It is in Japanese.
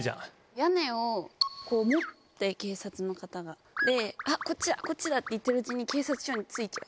屋根をこう持って警察の方が。こっちだ！って言ってるうちに警察署に着いちゃう。